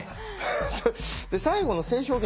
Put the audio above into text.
最後の性表現